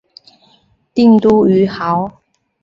定都于亳。